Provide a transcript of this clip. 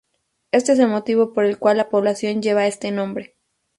Este es el motivo por el cual la población lleva este nombre.